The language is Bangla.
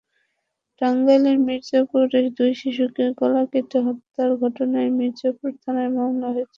টাঙ্গাইলের মির্জাপুরে দুই শিশুকে গলা কেটে হত্যার ঘটনায় মির্জাপুর থানায় মামলা হয়েছে।